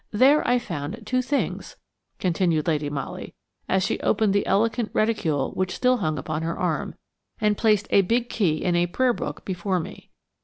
There I found two things," continued Lady Molly, as she opened the elegant reticule which still hung upon her arm, and placed a big key and a prayer book before me.